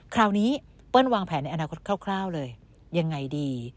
คราวนี้เปิ้ลวางแผนในอนาคตคร่าวเลยยังไงดี